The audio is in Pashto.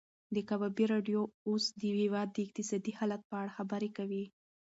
د کبابي راډیو اوس د هېواد د اقتصادي حالت په اړه خبرې کوي.